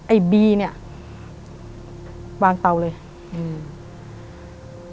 ไอ้บีเนี้ยวางเตาเลยอืม